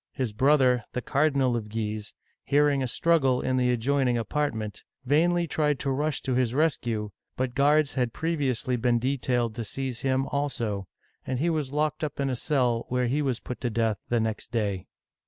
His brother, the Cardinal of Guise, hearing a struggle in the adjoining apartment, vainly tried to rush to his rescue, but guards had previously been detailed to seize him also, and he was locked up in a cell, where he was put to death the next day.